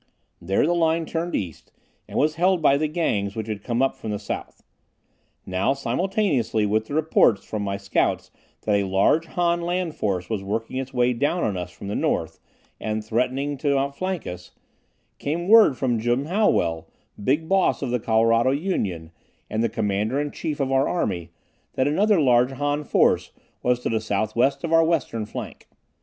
There the line turned east, and was held by the Gangs which had come up from the south. Now, simultaneously with the reports from my scouts that a large Han land force was working its way down on us from the north, and threatening to outflank us, came word from Jim Hallwell, Big Boss of the Colorado Union and the commander in chief of our army, that another large Han force was to the southwest of our western flank.